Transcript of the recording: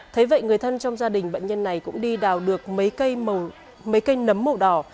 thế vậy người thân trong gia đình bệnh nhân này cũng đi đào được mấy cây nấm màu đỏ